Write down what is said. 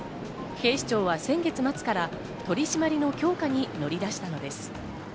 警視庁は先月末から取り締りの強化に乗り出したのです。